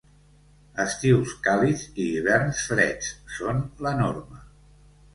Estius càlids i hiverns freds són la norma.